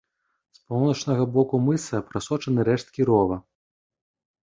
З паўночнага боку мыса прасочаны рэшткі рова.